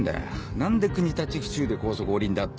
何で国立府中で高速降りんだって。